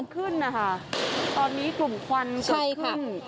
มีกลุ่มควันเกิดขึ้นนะคะตอนนี้กลุ่มควันเกิดขึ้น